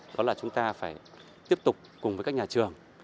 đó là chúng ta phải tiếp tục cùng với các nhà trường